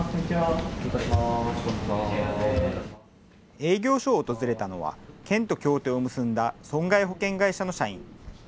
営業所を訪れたのは県と協定を結んだ損害保険会社の社員。